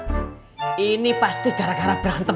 ini pasti gara gara berantem